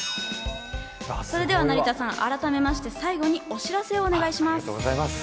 それでは成田さん、改めまして最後にお知らせをお願いします。